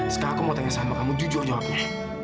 sekarang aku mau tanya sama kamu jujur jawabnya